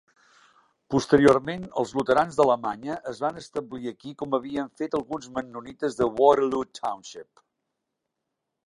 Posteriorment, els luterans d'Alemanya es van establir aquí com havien fet alguns mennonites de Waterloo Township.